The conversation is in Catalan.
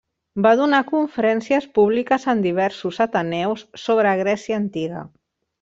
Va donar conferències públiques en diversos ateneus, sobre Grècia antiga.